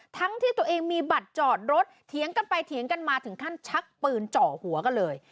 ทั้งที่ตัวเองมีบัตรจอดรถเถียงกันไปเถียงกันมาถึงขั้นชักปืนเจาะหัวกันเลย